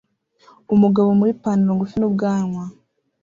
Umugabo muri Ipanaro ngufi n'ubwanwa